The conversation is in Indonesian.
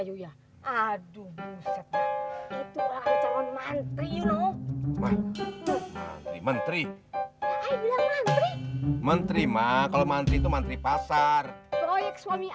yuyah aduh itu calon mantri yuk menteri menteri menteri mak kalau mantri mantri pasar proyek suami